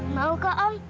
mau kak om